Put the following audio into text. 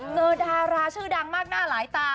ดาราชื่อดังมากหน้าหลายตา